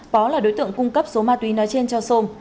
pó là đối tượng cung cấp số ma túy nói trên cho sôn